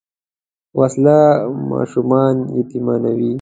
وسله ماشومان یتیمانوي